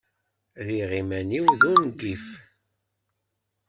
Rriɣ iman-iw d ungif.